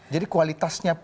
jadi kualitasnya pun rendah